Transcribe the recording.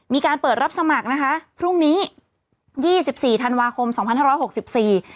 มีการเปิดรับสมัครนะคะพรุ่งนี้ยี่สิบสี่ธันวาคมสองพันห้าร้อยหกสิบสี่